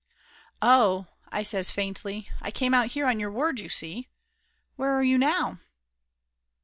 "Oh!" I says faintly. "I came out here on your word, you see! Where are you now?"